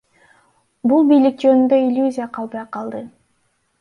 Бул бийлик жөнүндө иллюзия калбай калды.